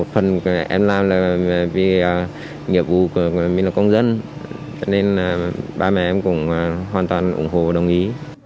phần em làm là vì nhiệm vụ của mình là công dân nên ba mẹ em cũng hoàn toàn ủng hộ và đồng ý